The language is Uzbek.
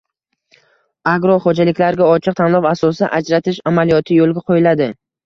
agroxo‘jaliklarga ochiq tanlov asosida ajratish amaliyoti yo‘lga qo‘yiladi.